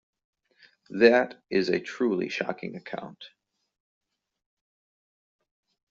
That is a truly shocking account.